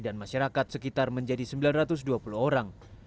dan masyarakat sekitar menjadi sembilan ratus dua puluh orang